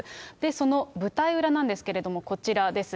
その舞台裏なんですけれども、こちらです。